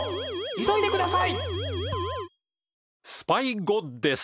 急いでください！